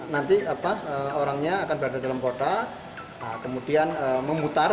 nanti orangnya akan berada dalam kota kemudian memutar